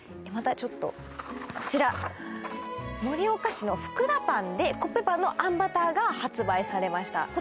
またちょっとこちら盛岡市の福田パンでコッペパンのあんバターが発売されました